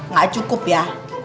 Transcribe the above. gak cukup ya